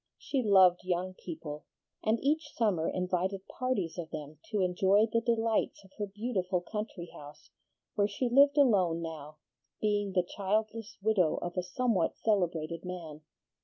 She loved young people, and each summer invited parties of them to enjoy the delights of her beautiful country house, where she lived alone now, being the childless widow of a somewhat celebrated man.